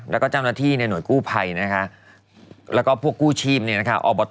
แล้วก็เจ้าหน้าที่หน่วยกู้ภัยแล้วก็พวกกู้ชีพ